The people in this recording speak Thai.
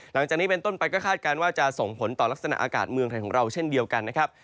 หลังจากนี้เป็นต้นไปก็คาดการณ์ว่าจะส่งผลต่อลักษณะอากาศเมืองไทยของเราเช่นเดียวกันนะครับ